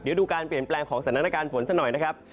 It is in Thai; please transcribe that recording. เดี๋ยวดูการเปลี่ยนแปลงของสถานการณ์ฝนสักหน่อยนะครับ